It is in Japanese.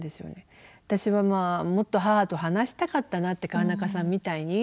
私はもっと母と話したかったなって川中さんみたいに。